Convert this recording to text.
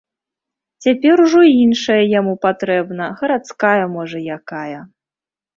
Цяпер ужо іншая яму патрэбна, гарадская, можа, якая.